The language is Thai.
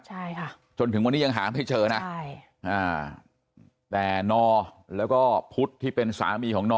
ใช่ค่ะจนถึงวันนี้ยังหาไม่เจอนะใช่อ่าแต่นอแล้วก็พุทธที่เป็นสามีของนอ